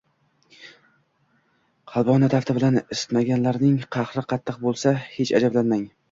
Qalbi ona tafti bilan isimaganlarning qahri qattiq bo`lsa, hech ajablanmang